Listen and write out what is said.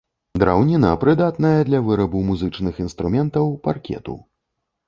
Драўніна прыдатная для вырабу музычных інструментаў, паркету.